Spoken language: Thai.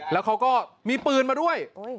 แล้วเขาก็มีปืนมาด้วย